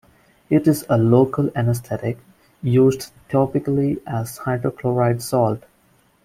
It is a local anesthetic, used topically as the hydrochloride salt.